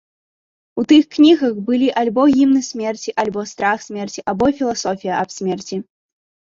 У тых кнігах былі альбо гімны смерці, альбо страх смерці, альбо філасофія аб смерці.